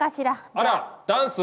あらダンス！